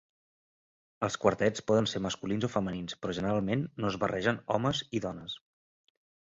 Els quartets poden ser masculins o femenins, però generalment no es barregen homes i dones.